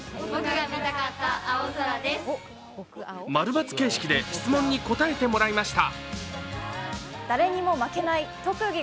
○×形式で質問に答えてもらいました。